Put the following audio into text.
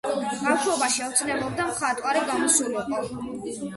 ბავშვობაში ოცნებობდა მხატვარი გამოსულიყო.